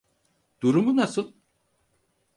Durumu nasıI?